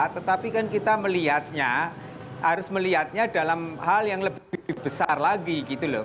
tetapi kan kita melihatnya harus melihatnya dalam hal yang lebih besar lagi gitu loh